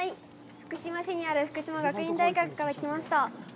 福島市にある福島学院大学から来ました。